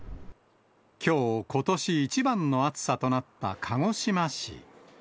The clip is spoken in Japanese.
きょう、ことし一番の暑さとなった鹿児島市。